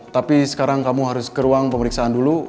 tapi sekarang kamu harus ke ruang pemeriksaan dulu